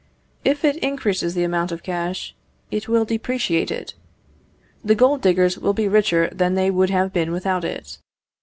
If it increases the amount of cash, it will depreciate it. The gold diggers will be richer than they would have been without it.